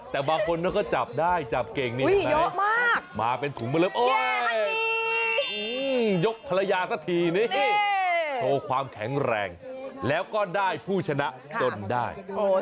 แต่บางคนมันก็จับได้จับเก่งมาเป็นถุงมะเริ่มยกภรรยาสักทีโชว์ความแข็งแรงแล้วก็ได้ผู้ชนะจนได้